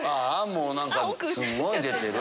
もう何かすごい出てる。